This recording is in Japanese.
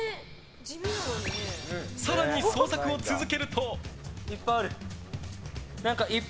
更に、捜索を続けると。